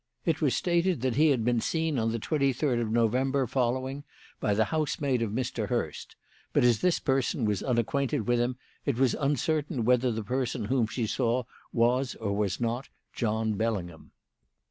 It was stated that he had been seen on the twenty third of November following by the housemaid of Mr. Hurst; but as this person was unacquainted with him, it was uncertain whether the person whom she saw was or was not John Bellingham.